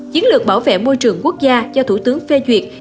chiến lược bảo vệ môi trường quốc gia do thủ tướng phê duyệt